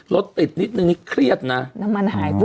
รถติดนิดนึงนี่เครียดนะน้ำมันหายตัว